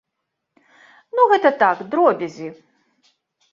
Ну гэта так, дробязі.